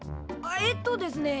えっとですね。